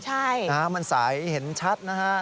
ใช่น้ำมันใสเห็นชัดนะฮะ